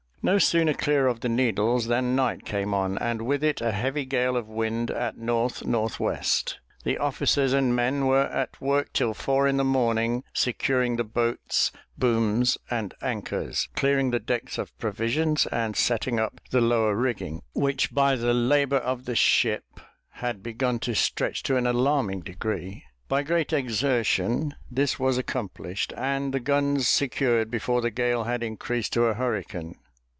No sooner clear of the Needles than night came on, and with it a heavy gale of wind at north north west. The officers and men were at work till four in the morning, securing the boats, booms, and anchors, clearing the decks of provisions, and setting up the lower rigging, which by the labour of the ship, had begun to stretch to an alarming degree; by great exertion this was accomplished, and the guns secured before the gale had increased to a hurricane.